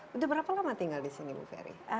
sudah berapa lama tinggal di sini bu ferry